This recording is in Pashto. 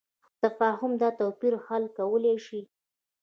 تفاهم دا توپیر حل کولی شي.